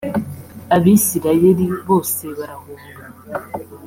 abisirayeli bose barahunga